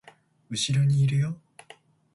後ろにいるよ